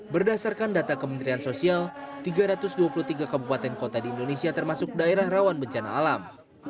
berdasarkan data kementerian sosial tiga ratus dua puluh tiga kabupaten kota di indonesia termasuk daerah rawan bencana alam